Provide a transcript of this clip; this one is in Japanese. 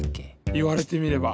いわれてみれば。